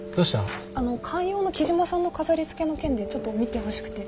観葉の木島さんの飾りつけの件でちょっと見てほしくて。